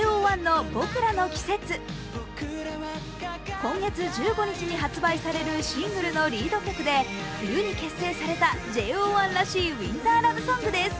今月１５日に発売されるシングルのリード曲で冬に結成されたＪＯ１らしいウインターラブソングです。